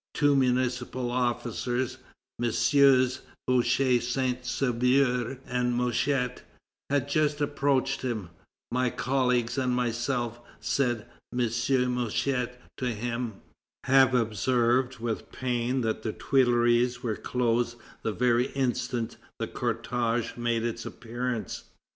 Two municipal officers, MM. Boucher Saint Sauveur and Mouchet, had just approached him: "My colleagues and myself," said M. Mouchet to him, "have observed with pain that the Tuileries were closed the very instant the cortège made its appearance.